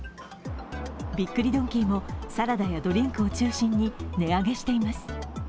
びっくりドンキーもサラダやドリンクを中心に値上げしています。